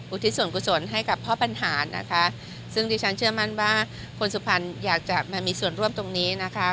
ทิศส่วนกุศลให้กับพ่อปัญหานะคะซึ่งดิฉันเชื่อมั่นว่าคนสุพรรณอยากจะมามีส่วนร่วมตรงนี้นะคะ